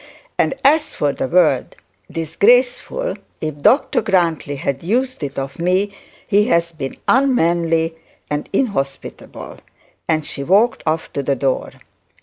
And as for the word disgraceful, if Dr Grantly has used it of me he has been unmanly and inhospitable,' and she walked off to the door.